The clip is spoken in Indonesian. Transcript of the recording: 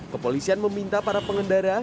kepolisian meminta para pengendara